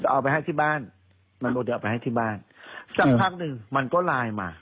เอาไปให้ที่บ้านมนุษย์เดี๋ยวเอาไปให้ที่บ้านสักพักหนึ่งมันก็ไลน์มา